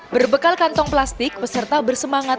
berbekal kantong plastik peserta bersemangat